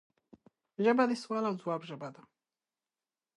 ژبه د سوال او ځواب ژبه ده